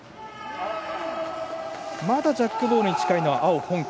まだジャックボールに近いのは青、香港。